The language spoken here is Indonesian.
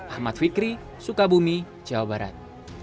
ahmad fikri sukabumi jawa barat